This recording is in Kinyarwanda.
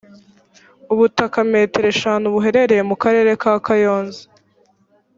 ubutaka metero eshanu buherereye mu karere ka kayonza